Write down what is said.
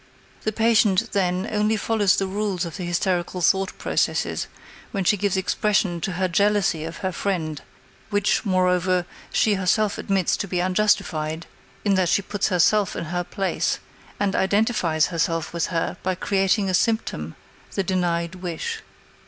The patient, then, only follows the rules of the hysterical thought processes when she gives expression to her jealousy of her friend (which, moreover, she herself admits to be unjustified, in that she puts herself in her place and identifies herself with her by creating a symptom the denied wish).